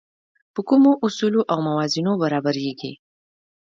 په کومو اصولو او موازینو برابرېږي.